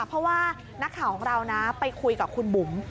เพราะว่านักข่าวของเรานะไปคุยกับคุณบุ๋ม